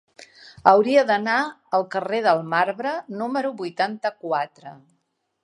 Hauria d'anar al carrer del Marbre número vuitanta-quatre.